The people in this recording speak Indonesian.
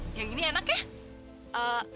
yang ini enak ya